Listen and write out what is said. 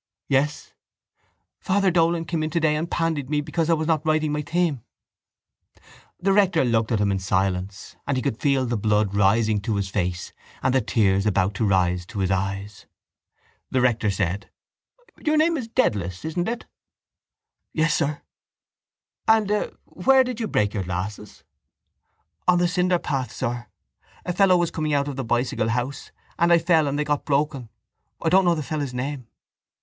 —Yes? —Father Dolan came in today and pandied me because I was not writing my theme. The rector looked at him in silence and he could feel the blood rising to his face and the tears about to rise to his eyes. The rector said: —Your name is Dedalus, isn't it? —Yes, sir. —And where did you break your glasses? —On the cinderpath, sir. A fellow was coming out of the bicycle house and I fell and they got broken. I don't know the fellow's name.